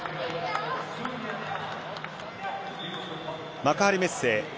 幕張メッセＡ